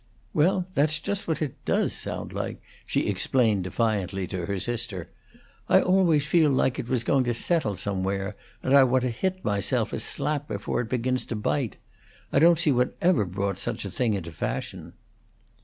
"Well, that's just what it does sound like," she explained defiantly to her sister. "I always feel like it was going to settle somewhere, and I want to hit myself a slap before it begins to bite. I don't see what ever brought such a thing into fashion."